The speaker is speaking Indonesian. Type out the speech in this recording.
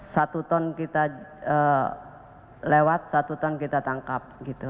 satu ton kita lewat satu ton kita tangkap